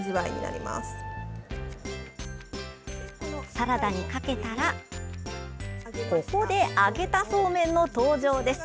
サラダにかけたらここで揚げたそうめんの登場です。